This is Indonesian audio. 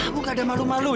pak udah pak udah